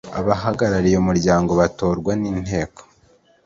abahagarariye umuryango batorwa n inteko